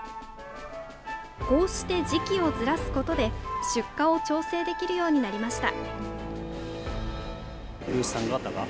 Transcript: こうして時期をずらすことで出荷を調整できるようになりました。